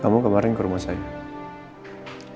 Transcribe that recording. kamu kemarin ke rumah saya